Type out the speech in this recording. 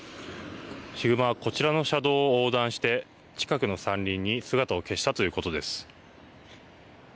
ヒグマはこちらの車道を横断して近くの山林に姿を消したということです。